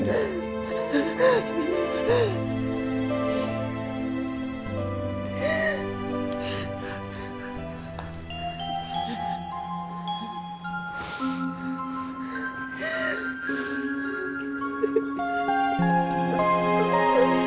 maafin bapak mi